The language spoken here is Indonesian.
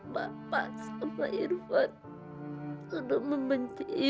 bapak sama irfan sudah membenci ibu